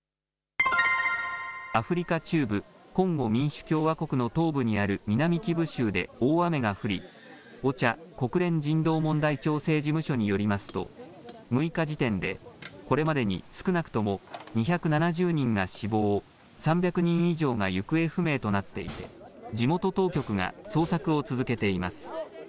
アフリカ中部コンゴ民主共和国の東部にある南キブ州で大雨が降りＯＣＨＡ・国連人道問題調整事務所によりますと６日時点でこれまでに少なくとも２７０人が死亡、３００人以上が行方不明となっていて地元当局が捜索を続けています。